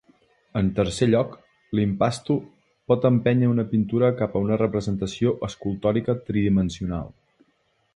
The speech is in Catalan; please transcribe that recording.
En tercer lloc, l'impasto pot empènyer una pintura cap a una representació escultòrica tridimensional.